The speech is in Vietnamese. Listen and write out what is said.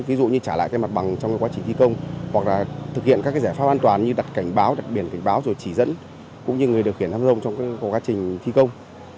ví dụ như trả lại mặt bằng trong quá trình thi công hoặc là thực hiện các giải pháp an toàn như đặt cảnh báo đặt biển cảnh báo rồi chỉ dẫn cũng như người điều khiển tham rông trong quá trình thi công